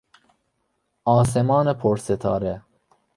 آسمان پرستاره